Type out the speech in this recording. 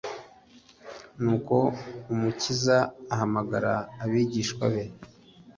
Nuko Umukiza ahamagara abigishwa be,